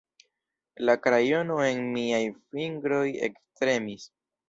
La krajono en miaj fingroj ektremis.